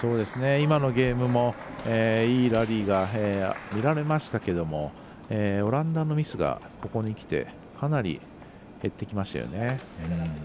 今のゲームもいいラリーが見られましたけどもオランダのミスが、ここにきてかなり減ってきましたよね。